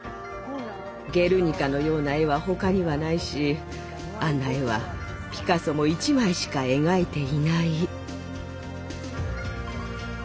「ゲルニカ」のような絵は他にはないしあんな絵はピカソも１枚しか描いていない。